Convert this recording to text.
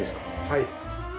はい。